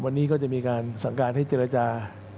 วันนี้ก็จะมีการสั่งการให้เจรจา